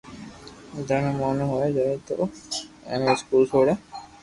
جيڻي موٽو ھوئي جائي تو ائني اسڪول سوري